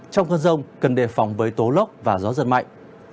trong cơn rông cần đề phòng với tố lốc và gió giật mạnh